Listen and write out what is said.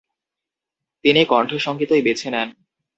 তিনি কণ্ঠসঙ্গীতই বেছে নেন।